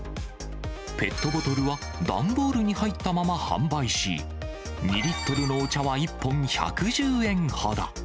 ペットボトルは段ボールに入ったまま販売し、２リットルのお茶は１本１１０円ほど。